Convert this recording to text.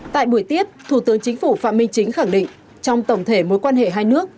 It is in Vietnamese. tại buổi tiếp thủ tướng chính phủ phạm minh chính khẳng định trong tổng thể mối quan hệ hai nước